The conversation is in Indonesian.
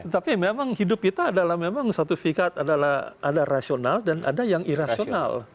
tapi memang hidup kita adalah memang satu fikat adalah ada rasional dan ada yang irasional